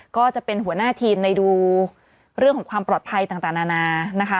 ก็จะเป็นหัวหน้าทีมในดูเรื่องของความปลอดภัยต่างนานานะคะ